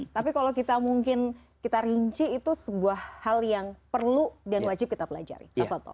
tapi kalau kita mungkin kita rinci itu sebuah hal yang perlu dan wajib kita pelajari